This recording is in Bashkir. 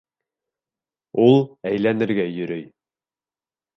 Ул әйләнергә йөрөй.